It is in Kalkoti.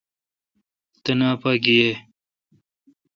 تینا پا گییں۔